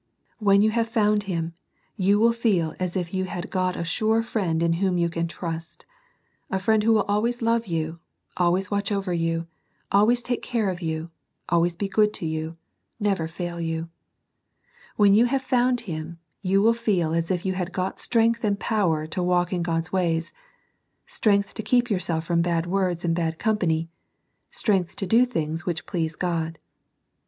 When you have found Him, you will feel as if you had got a sure Friend in whom you can trust. A Friend who will always love you, always watch over you, always take care of you, always be good to you, nevei feik ^o?^. 128 SERMONS FOR CHILDREN. When you have found Him, you will feel as if you had got strength and power to walk in God's ways ; strength to keep yourself from bad words and bad company ; strength to do things which please God.